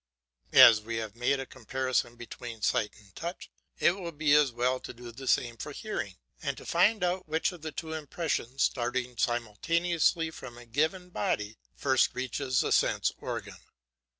As we have made a comparison between sight and touch, it will be as well to do the same for hearing, and to find out which of the two impressions starting simultaneously from a given body first reaches the sense organ.